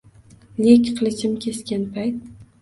Lek qilichim kesgan payt